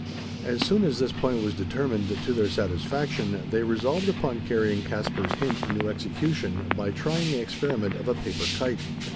As soon as this point was determined to their satisfaction, they resolved upon carrying Caspar's hint into execution by trying the experiment of a paper kite.